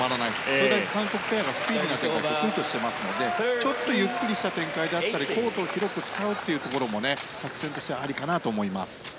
それだけ韓国ペアがスピーディーな展開を得意としていますのでちょっとゆっくりな展開だったりコートを広く使うということも作戦としてはありかなと思います。